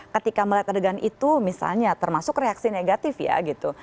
ketika melihat adegan itu misalnya termasuk reaksi negatif ya gitu